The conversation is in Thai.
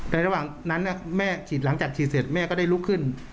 ระหว่างนั้นแม่ฉีดหลังจากฉีดเสร็จแม่ก็ได้ลุกขึ้น